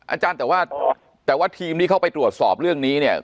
อาจารย์แต่ว่าแต่ว่าทีมที่เข้าไปตรวจสอบเรื่องนี้เนี่ย